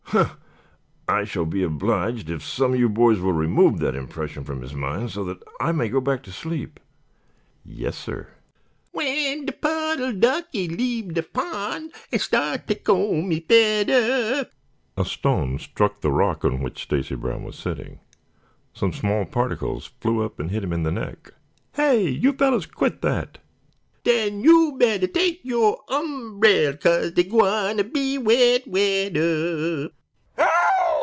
"Humph! I shall be obliged if some of you boys will remove that impression from his mind so that I may go back to sleep." "Yes, sir." "W'en de puddle duck 'e leave de pon' En start to comb e fedder " A stone struck the rock on which Stacy Brown was sitting. Some small particles flew up and hit him in the neck. "Hey, you fellows quit that!" "Den yo' bettah take yo' umbrell, Kase dey's gwine to be wet wedder."